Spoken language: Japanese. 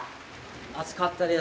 熱かったです。